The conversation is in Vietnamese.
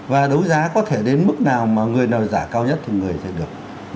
và đấu giá có thể đến mức nào mà người nào giả cao nhất thì người sẽ được